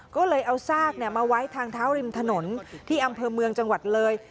ก็เลยเอาซากมาไว้ทางเท้าริมถนนที่อำเภอเมืองจังหวัดเลย